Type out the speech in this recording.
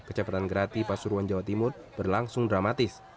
kecepatan grati pasuruan jawa timur berlangsung dramatis